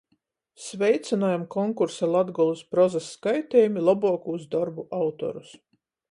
Sveicynojam konkursa "Latgolys prozys skaitejumi" lobuokūs dorbu autorus!